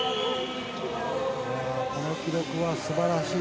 この記録はすばらしい。